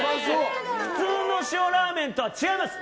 普通の塩ラーメンとは違います。